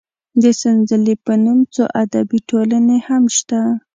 د سنځلې په نوم څو ادبي ټولنې هم شته.